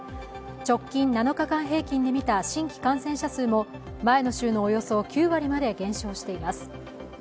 直近７日間平均で見た新規感染者数も前の週のおよそ９割にまで減少しています。